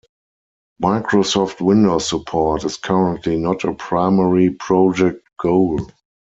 Microsoft Windows support is currently not a primary project goal.